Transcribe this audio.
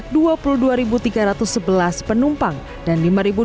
sebaliknya sebanyak dua puluh dua tiga ratus sebelas penumpang dan